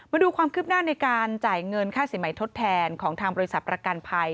มาดูความคืบหน้าในการจ่ายเงินค่าสินใหม่ทดแทนของทางบริษัทประกันภัย